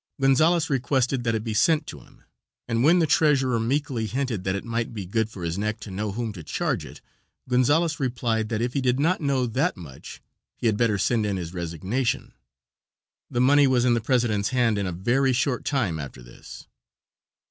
Gonzales requested that it be sent to him, and when the treasurer meekly hinted that it might be good for his neck to know to whom to charge it, Gonzales replied that if he did not know that much he had better send in his resignation. The money was in the president's hand in a very short time after this.